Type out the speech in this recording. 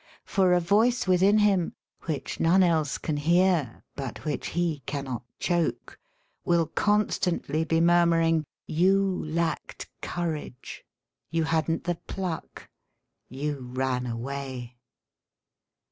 For a voice within him, which none else can hear, but 22 SELF AND SELF MANAGEMENT which he cannot choke, will constantly be mur^ muring: "You lacked courage. You hadn't the pluck. You ran away."